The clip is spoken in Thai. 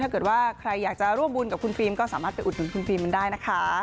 ถ้าเกิดว่าใครอยากจะร่วมบุญกับคุณฟิล์มก็สามารถไปอุดหนุนคุณฟิล์มมันได้นะคะ